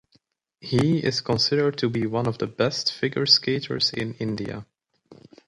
He is considered to be one of the best Figure Skaters in India.